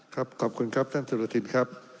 ครับขอบคุณครับท่านสุรทินครับ